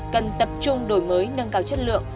cần tập trung đổi mới nâng cao chất lượng